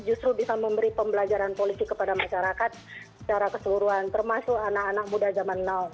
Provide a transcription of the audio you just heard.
justru bisa memberi pembelajaran politik kepada masyarakat secara keseluruhan termasuk anak anak muda zaman now